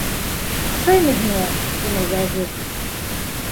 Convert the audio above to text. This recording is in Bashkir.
- Оҡшаймы һиңә? - тине Вәзир.